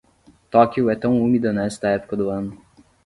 Tóquio é tão úmida nesta época do ano.